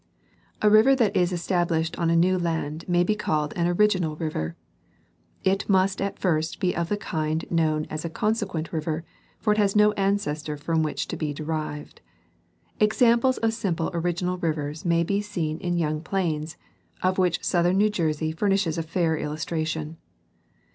A river that is established on a new land may be called an ori ginal river. It must at first be of the kind known as a consequent river, for it has no ancestor from which to be derived. Exam ples of simple original rivers may be seen in young plains, of which southern New Jersey furnishes a fair illustration.